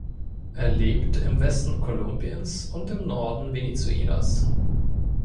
Er lebt im Westen Kolumbiens und im Norden Venezuelas.